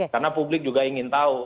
karena publik juga ingin tahu